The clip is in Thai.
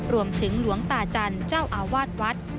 หลวงตาจันทร์เจ้าอาวาสวัด